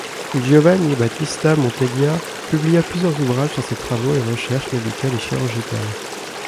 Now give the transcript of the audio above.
Giovanni Battista Monteggia publia plusieurs ouvrages sur ses travaux et recherches médicales et chirurgicales.